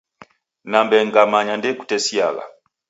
Nambe ngamanya ndeikutesiagha.